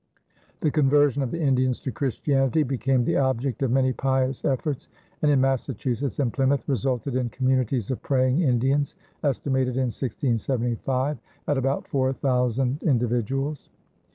The conversion of the Indians to Christianity became the object of many pious efforts, and in Massachusetts and Plymouth resulted in communities of "Praying Indians," estimated in 1675 at about four thousand individuals.